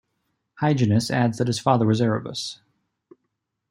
Hyginus adds that his father was Erebus.